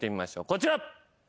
こちら。